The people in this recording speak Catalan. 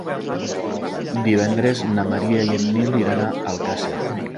Divendres na Maria i en Nil iran a Alcàsser.